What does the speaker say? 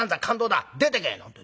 出ていけ！」なんて